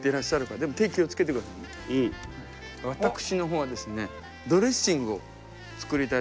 私の方はですねドレッシングを作りたいと思います。